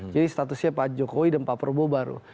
jadi statusnya pak jokowi dan pak prabowo baru